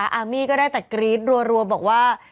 อาร์มี่ก็ได้แต่กรี๊ดรัวบอกว่า